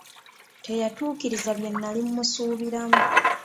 Teyatuukiriza bye nali mmusuubiramu.